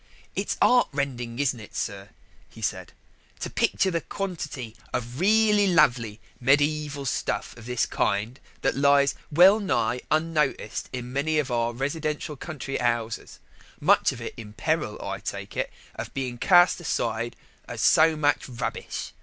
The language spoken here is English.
"It's 'eartrending, isn't it, sir," he said, "to picture the quantity of reelly lovely medeevial stuff of this kind that lays well nigh unnoticed in many of our residential country 'ouses: much of it in peril, I take it, of being cast aside as so much rubbish.